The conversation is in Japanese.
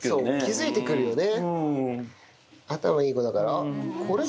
気付いてくるよね。